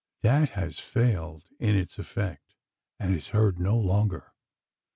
That has failed of its effect, and is heard no longer.